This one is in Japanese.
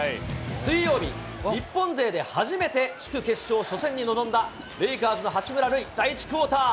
水曜日、日本勢で初めて地区決勝初戦に臨んだレイカーズの八村塁、第１クオーター。